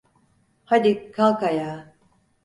Hadi, kalk ayağa!